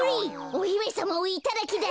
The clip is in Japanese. おひめさまをいただきだ。